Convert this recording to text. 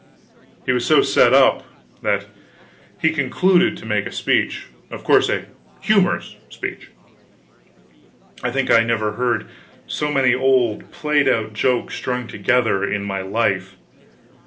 He was so set up that he concluded to make a speech of course a humorous speech. I think I never heard so many old played out jokes strung together in my life.